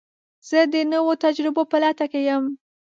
زه د نوو تجربو په لټه کې یم.